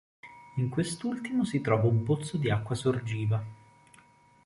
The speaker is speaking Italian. In quest'ultimo si trova un pozzo di acqua sorgiva.